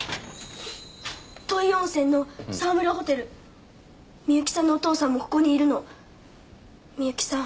土肥温泉の沢村ホテル美雪さんのお父さんもここにいるの美雪さん